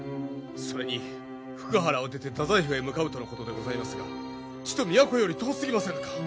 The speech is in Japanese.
それに福原を出て太宰府へ向かうとのことでございますがちと都より遠すぎませぬか？